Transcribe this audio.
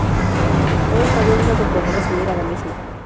He estado una temporada sin ir a la misma